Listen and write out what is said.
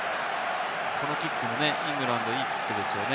このキックもイングランド、いいキックですよね。